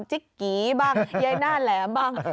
ทิกกี้บั่งยายน่าแหลมบั่ง